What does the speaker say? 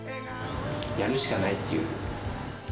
やるしかないっていう。